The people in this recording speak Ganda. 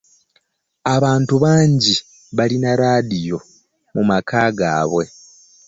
Abantu bangi balina laadiyo mu maka gaabwe.